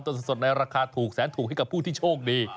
สดในราคาถูกแสนถูกให้กับผู้ที่โชคดี